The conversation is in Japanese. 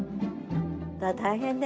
大変ね